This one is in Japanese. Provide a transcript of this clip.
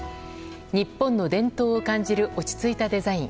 日本の伝統を感じる落ち着いたデザイン。